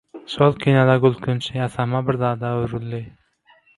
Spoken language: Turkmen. Şol kino-da gülkünç, ýasama bir zada öwrüldi.